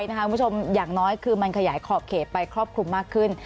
ดีใจนะคะคุณผู้ชมอย่างน้อยคือมันขยายขอบเขตไปครอบคุมมากขึ้น